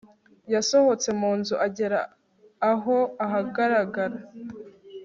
yasohotse mu nzu agera aho ahagarara